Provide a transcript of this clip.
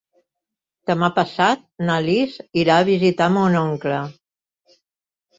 Demà passat na Lis irà a visitar mon oncle.